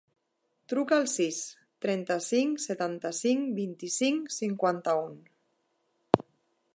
Truca al sis, trenta-cinc, setanta-cinc, vint-i-cinc, cinquanta-u.